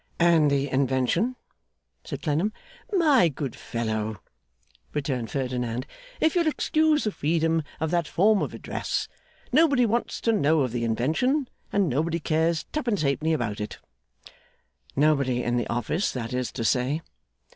'And the invention?' said Clennam. 'My good fellow,' returned Ferdinand, 'if you'll excuse the freedom of that form of address, nobody wants to know of the invention, and nobody cares twopence halfpenny about it.' 'Nobody in the Office, that is to say?